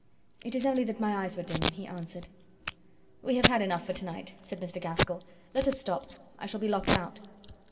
"It is only that my eyes were dim," he answered. "We have had enough for to night," said Mr. Gaskell; "let us stop. I shall be locked out."